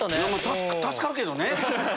助かるけどね。